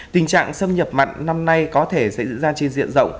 tình trạng xâm nhập mặn năm nay có thể sẽ diễn ra trên diện rộng